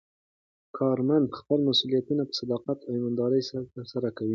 کارمند خپل مسوولیتونه په صداقت او ایماندارۍ ترسره کوي